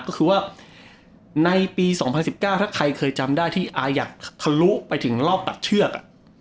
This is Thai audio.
ก็คือว่าในปี๒๐๑๙ถ้าใครเคยจำได้ที่อายัดทะลุไปถึงรอบตัดเชือก